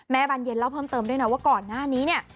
บานเย็นเล่าเพิ่มเติมด้วยนะว่าก่อนหน้านี้เนี่ย